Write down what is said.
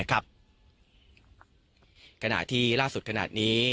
ขณะที่ล่าสุดขนาดนี้